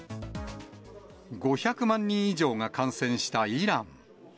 ５００万人以上が感染したイラン。